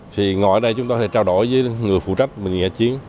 thì ngồi ở đây chúng tôi sẽ trao đổi với người phụ trách bệnh viện giả chiến